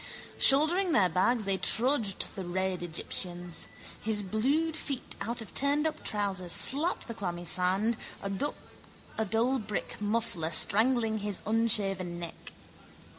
Shouldering their bags they trudged, the red Egyptians. His blued feet out of turnedup trousers slapped the clammy sand, a dull brick muffler strangling his unshaven neck.